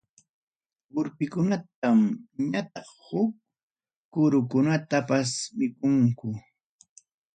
Urpikunatam ñataq huk kurukunatapas mikunku.